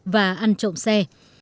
và ăn trộm xe